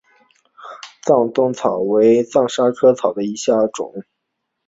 藏东薹草为莎草科薹草属下的一个种。